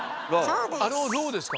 あの「ろう」ですか？